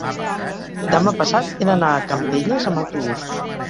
demà passat he d'anar a Campelles amb autobús.